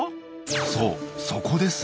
そうそこですよね。